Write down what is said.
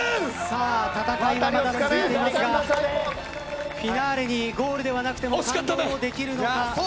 戦いはまだまだ続いていますがフィナーレにゴールではなくても感動できるのか。